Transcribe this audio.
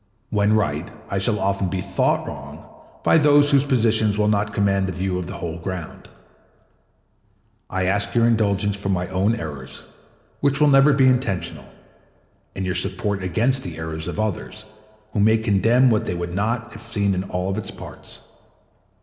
When right, I shall often be thought wrong by those whose positions will not command a view of the whole ground. I ask your indulgence for my own errors, which will never be intentional, and your support against the errors of others, who may condemn what they would not if seen in all its parts.